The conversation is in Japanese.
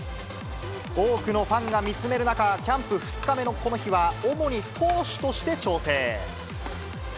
多くのファンが見つめる中、キャンプ２日目のこの日は、主に投手として調整。